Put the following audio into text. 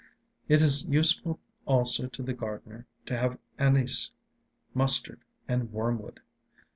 It is useful also to the gardener to have anise, mustard, and wormwood....